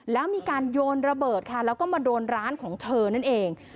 แล้วมีการโยนระเบิดค่ะแล้วก็มาโดนร้านของเธอนั่นเอง